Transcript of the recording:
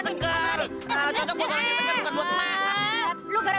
salahin juga muka emak nafas standar